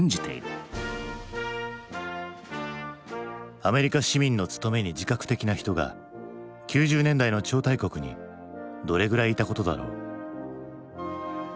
アメリカ市民の務めに自覚的な人が９０年代の超大国にどれぐらいいたことだろう。